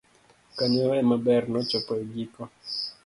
kanyo ema ber nochopo e giko